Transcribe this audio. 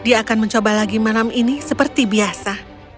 dia akan mencoba lagi malam ini seperti biasa